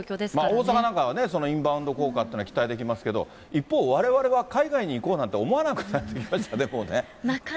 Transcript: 大阪なんかはね、インバウンド効果というのが期待できますけど、一方、われわれは海外に行こうなんて思わなくなりましたね、もうね。